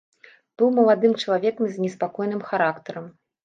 Быў маладым чалавекам з неспакойным характарам.